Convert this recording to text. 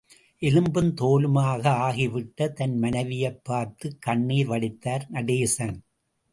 எலும்பும் தோலுமாக ஆகிவிட்டத் தன் மனைவியைப் பார்த்துக் கண்ணீர் வடித்தார் நடேசன்.